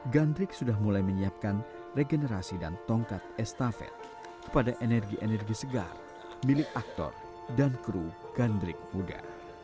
gandrik sudah mulai menyiapkan regenerasi dan tongkat estafet kepada energi energi segar milik aktor dan kru gandrik muda